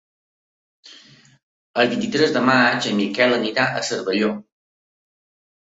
El vint-i-tres de maig en Miquel anirà a Cervelló.